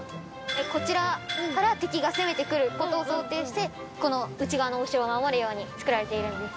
こちらから敵が攻めてくる事を想定してこの内側のお城を守るように造られているんです。